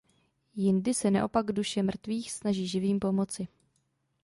Jindy se naopak duše mrtvých snaží živým pomoci.